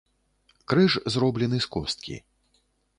Крыж зроблены з косткі.